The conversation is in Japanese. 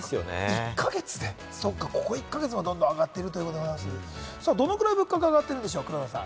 １か月で、ここ１か月で上がっているということで、どのくらい物価が上がっているんでしょうか？